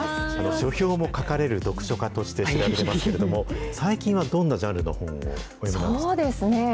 書評も書かれる読書家としても知られてますけれども、最近はどんなジャンルの本をお読みなんですか？